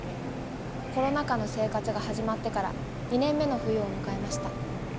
コロナ禍の生活が始まってから２年目の冬を迎えました。